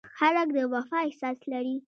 هلک د وفا احساس لري.